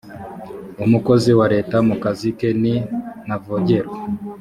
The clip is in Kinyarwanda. umukozi wa leta mu kazi ke ni ntavogerwa